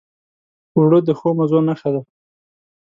اوړه د ښو مزو نښه ده